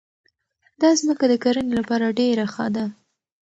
دا ځمکه د کرنې لپاره ډېره ښه ده.